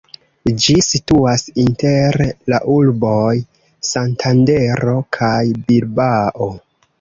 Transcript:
Ĝi situas inter la urboj Santandero kaj Bilbao.